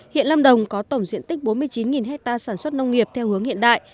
hiện lâm đồng có tổng diện tích bốn mươi chín hectare sản xuất nông nghiệp theo hướng hiện đại